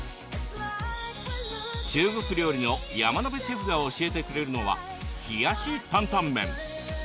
中国料理の山野辺シェフが教えてくれるのは冷やしタンタン麺。